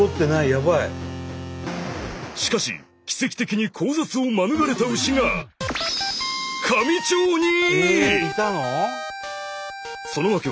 しかし奇跡的に交雑を免れた牛が香美町に！